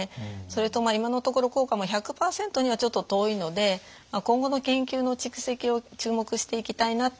それと今のところ効果も１００％にはちょっと遠いので今後の研究の蓄積を注目していきたいなっていうふうに思っています。